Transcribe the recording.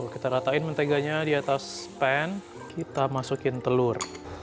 kita ratain menteganya di atas pan kita masukin telur